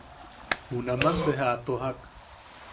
Junaman beja a tojak.